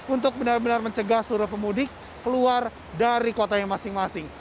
untuk benar benar mencegah seluruh pemudik keluar dari kota yang masing masing